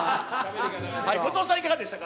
後藤さん、いかがでしたか。